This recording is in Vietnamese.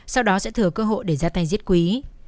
sau đó sẽ thừa cơ hội để ra tay giết quý